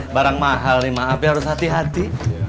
barang mahal nih maaf ya harus hati hati